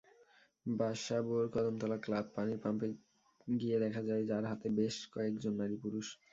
বাসাবোর Kadamtala club পানির পাম্পে গিয়ে দেখা যায় জার হাতে বেশ কয়েকজন নারী-পুরুষ।